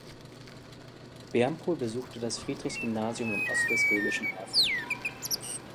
Bermpohl besuchte das Friedrichs-Gymnasium im ostwestfälischen Herford.